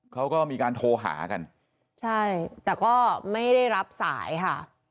เขาก็มีการโทรหากันใช่แต่ก็ไม่ได้รับสายค่ะ